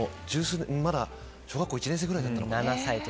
まだ小学校１年生ぐらいだったのかな。